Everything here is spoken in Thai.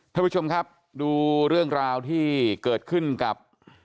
ท่านผู้ชมครับดูเรื่องราวที่เกิดขึ้นกับ